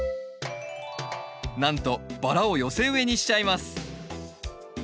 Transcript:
なんとバラを寄せ植えにしちゃいます。